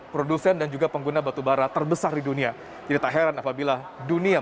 perbankan indonesia yang dikenal sebagai sektor perbankan